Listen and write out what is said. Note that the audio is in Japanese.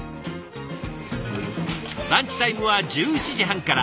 ランチタイムは１１時半から。